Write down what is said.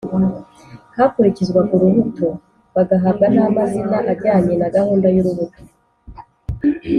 hakurikizwaga urubuto, bagahabwa n'amazina ajyanye na gahunda y'urubuto.